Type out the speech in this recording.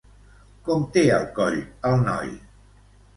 Com té el coll el noi?